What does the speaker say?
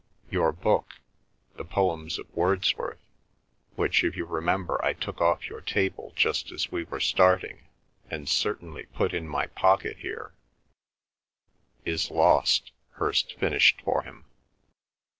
Your book—the poems of Wordsworth, which if you remember I took off your table just as we were starting, and certainly put in my pocket here—" "Is lost," Hirst finished for him.